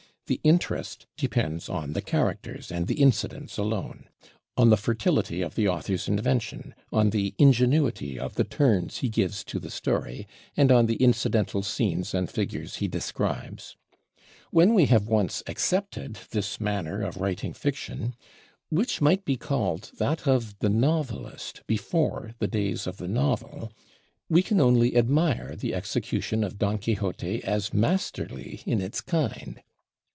The interest depends on the characters and the incidents alone; on the fertility of the author's invention, on the ingenuity of the turns he gives to the story, and on the incidental scenes and figures he describes. When we have once accepted this manner of writing fiction which might be called that of the novelist before the days of the novel we can only admire the execution of 'Don Quixote' as masterly in its kind.